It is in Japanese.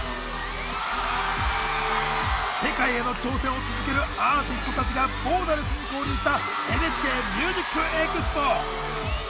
世界への挑戦を続けるアーティストたちがボーダレスに交流した「ＮＨＫＭＵＳＩＣＥＸＰＯ」。